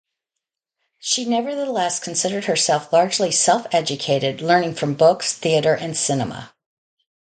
She nevertheless considered herself largely self-educated, learning from books, theatre and cinema.